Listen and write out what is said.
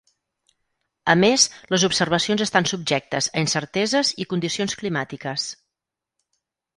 A més, les observacions estan subjectes a incerteses i condicions climàtiques.